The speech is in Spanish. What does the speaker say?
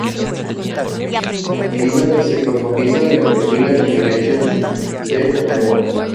A medida que se profundiza en el perfil las diferencias se atenúan.